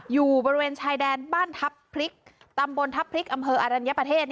อยู่บริเวณชายแดนบ้านทัพพริกตำบลทัพพริกอำเภออรัญญประเทศ